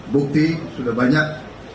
bukti sudah banyak